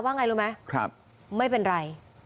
คือไม่ห่วงไม่หาวแล้วไป